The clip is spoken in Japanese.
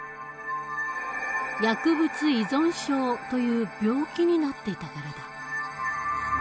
薬物依存症という病気になっていたからだ。